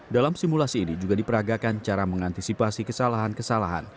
dalam simulasi ini juga diperagakan cara mengantisipasi kesalahan kesalahan